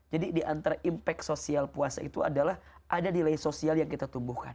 jadi di antara impact sosial puasa itu adalah ada delay sosial yang kita tumbuhkan